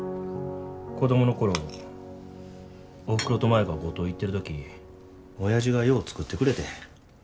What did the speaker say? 子供の頃おふくろと舞が五島行ってる時おやじがよう作ってくれてん。